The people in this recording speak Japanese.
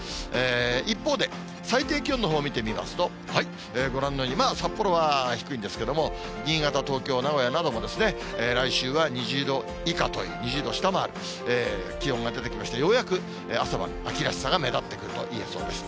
一方で、最低気温のほうを見てみますと、ご覧のように、札幌は低いんですけれども、新潟、東京、名古屋なども来週は２０度以下という、２０度を下回る気温が出てきまして、ようやく朝晩、秋らしさが目立ってくるといえそうです。